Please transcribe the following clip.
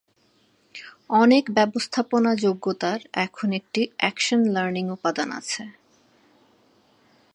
অনেক ব্যবস্থাপনা যোগ্যতার এখন একটি অ্যাকশন লার্নিং উপাদান আছে।